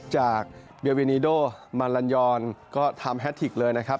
จากเบียวินีโดมาลันยอนก็ทำแฮทิกเลยนะครับ